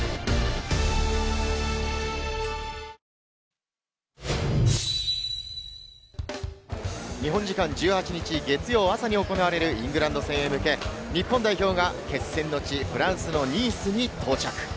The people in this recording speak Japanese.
「東芝」日本時間１８日、月曜朝に行われるイングランド戦に向け、日本代表が決戦の地、フランスのニースに到着。